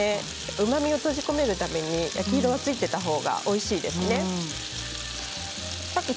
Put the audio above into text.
うまみを閉じ込めるために焼き色がついていたほうがおいしいですね。